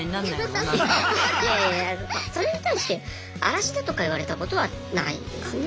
いやいやそれに対して荒らしだとか言われたことはないですね。